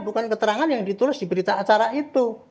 bukan keterangan yang ditulis di berita acara itu